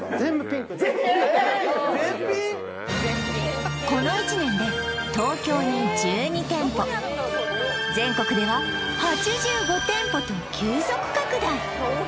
えこの１年で東京に１２店舗全国では８５店舗と急速拡大！